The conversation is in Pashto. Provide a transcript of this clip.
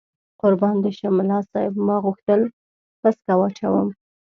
قربان دې شم، ملا صاحب ما غوښتل پسکه واچوم.